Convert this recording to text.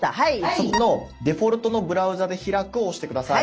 そこの「デフォルトのブラウザで開く」を押して下さい。